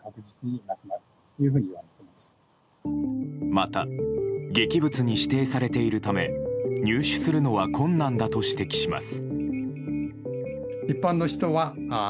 また劇物に指定されているため入手するのは困難だと指摘します。